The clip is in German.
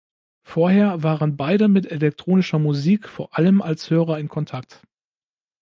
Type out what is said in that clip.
Vorher waren beide mit Elektronischer Musik vor allem als Hörer in Kontakt.